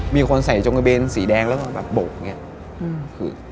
มีคนใส่จงกระเบนสีแดงแล้วก็แบบโบกอย่างนี้